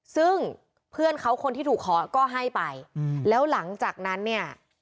ซึ่งเพื่อนเขาคนที่ถูกขอก็ให้ไปแล้วหลังจากนั้นเนี่ย